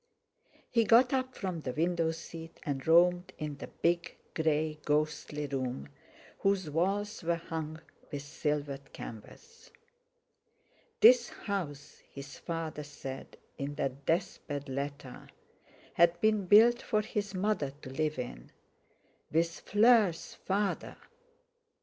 He got up from the window seat and roamed in the big grey ghostly room, whose walls were hung with silvered canvas. This house his father said in that death bed letter—had been built for his mother to live in—with Fleur's father!